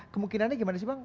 kemungkinannya gimana sih bang